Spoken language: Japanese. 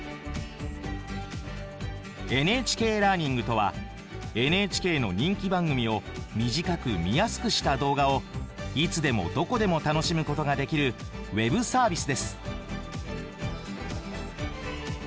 ＮＨＫラーニングとはＮＨＫの人気番組を短く見やすくした動画をいつでもどこでも楽しむことができるウェブサービスです。